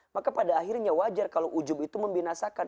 maka pada akhirnya wajar kalau ujung itu membinasakan